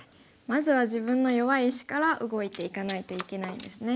まずは自分の弱い石から動いていかないといけないんですね。